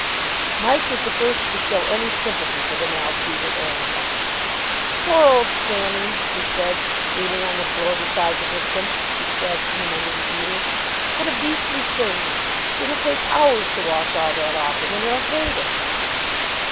Mike was the first to show any sympathy for the maltreated animal. "Poor old Sammy," he said, kneeling on the floor beside the victim, and scratching him under the ear. "What a beastly shame! It'll take hours to wash all that off him, and he'll hate it."